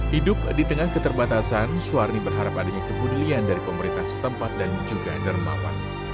hidup di tengah keterbatasan suwarni berharap adanya kebudilian dari pemerintah setempat dan juga dermawan